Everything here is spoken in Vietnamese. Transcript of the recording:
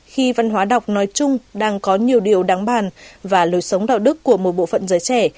khi văn hóa đọc nói chung đang có nhiều điều đáng bàn và lối sống đạo đức của một bộ phận giới trẻ